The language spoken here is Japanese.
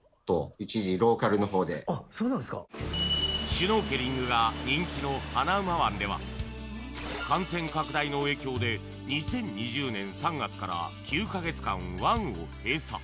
シュノーケリングが人気のハナウマ湾では感染拡大の影響で２０２０年３月から９か月間湾を閉鎖。